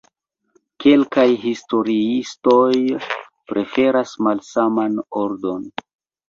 Kelkaj historiistoj preferas malsaman ordon.